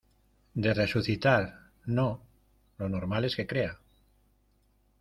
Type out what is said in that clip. de resucitar. no . lo normal es que crea